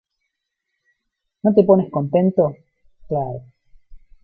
¿ no te pones contento? claro...